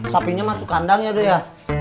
sapinya masuk kandang ya dok ya